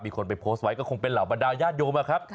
คนไปโพสต์ไว้ก็คงเป็นเหล่าบรรดาญาติโยมอะครับ